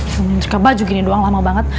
sebenernya terkebajuk ini doang lama banget